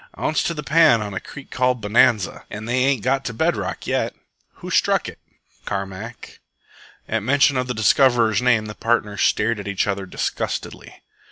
"Ounce to the pan on a creek called Bonanza, an' they ain't got to bed rock yet." "Who struck it?" "Carmack." At mention of the discoverer's name the partners stared at each other disgustedly.